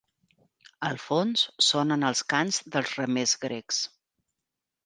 Al fons, sonen els cants dels remers grecs.